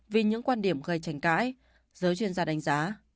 vì những quan điểm gây tranh cãi giới chuyên gia đánh giá